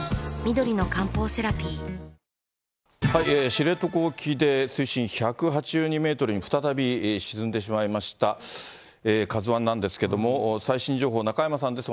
知床沖で水深１８２メートルに再び沈んでしまいましたＫＡＺＵＩなんですけれども、最新情報、中山さんです。